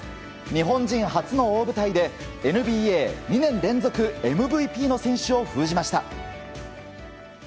日本人初の大舞台でＮＢＡ２年連続ＭＶＰの選手を封じました。